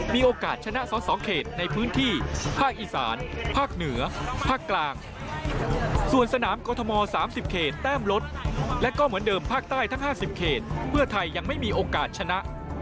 มีโอกาสชนะสอสอเขตในพื้นที่ภาคอีสานภาคเหนือภาคกลางส่วนสนามกรทม๓๐เขตแต้มลดและก็เหมือนเดิมภาคใต้ทั้ง๕๐เขตเพื่อไทยยังไม่มีโอกาสชนะ